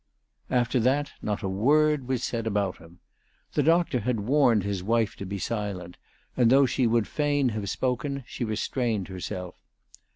After that not a word was said about him. The doctor had warned his wife to be silent ; and though she would fain have spoken, she restrained herself.